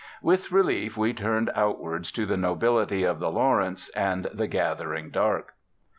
With relief we turned outwards to the nobility of the St Lawrence and the gathering dark.